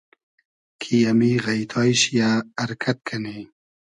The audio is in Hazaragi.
کی امی غݷتای شی یۂ ارکئد کئنی